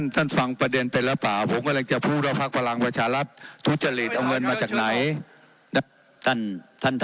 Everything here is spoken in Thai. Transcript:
ฟังประเด็นไปหรือเปล่าผมกำลังจะพูดว่าพักพลังประชารัฐทุจริตเอาเงินมาจากไหน